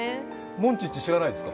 モンチッチ知らないですか？